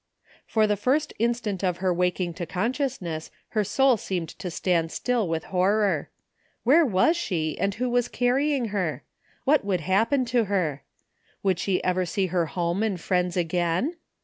For the first instant of her waking to consciousness her soul seemed to stand still with horror. Where was she and who was carrying her? What wotdd happen to her? Would she ever see her home and friends again